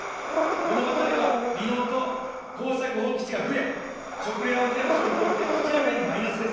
このままでは離農と耕作放棄地が増え、食料安全保障にとって明らかにマイナスです。